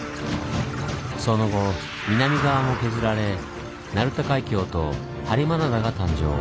その後南側も削られ鳴門海峡と播磨灘が誕生。